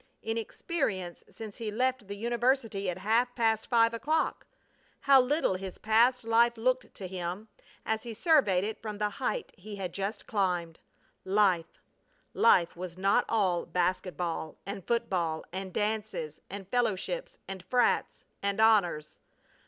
in experience since he left the university at half past five o'clock? How little his past life looked to him as he surveyed it from the height he had just climbed. Life! Life was not all basket ball, and football, and dances, and fellowships, and frats. and honors!